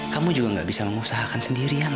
kamu juga gak bisa mengusahakan sendirian